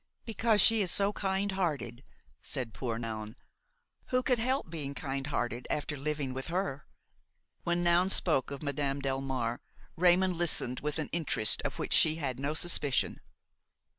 "Because she is so kind hearted," said poor Noun. "Who could help being kind hearted after living with her?" When Noun spoke of Madame Delmare, Raymon listened with an interest of which she had no suspicion.